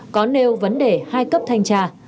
có nêu vấn đề hai cấp thanh tra